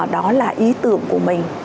đó là ý tưởng của mình